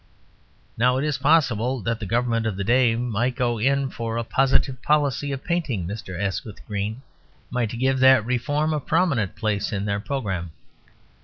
Now, it is possible that the Government of the day might go in for a positive policy of painting Mr. Asquith green; might give that reform a prominent place in their programme.